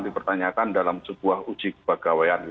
dipertanyakan dalam sebuah uji kepegawaian